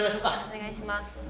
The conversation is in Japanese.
お願いします。